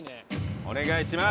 お願いします！